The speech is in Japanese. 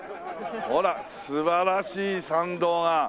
ほら素晴らしい参道が。